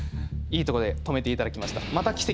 いいとこで止めて頂きました。